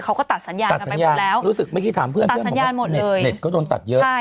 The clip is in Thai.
เขาก็ตัดสัญญาณไปหมดแล้วตัดสัญญาณหมดเลยเหมือนว่าเน็ตก็ต้องตัดเยอะ